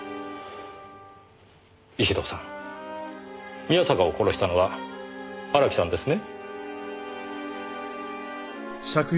石堂さん宮坂を殺したのは荒木さんですね？